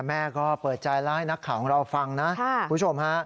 แม่ก็เปิดใจแล้วให้นักข่าวของเราฟังนะ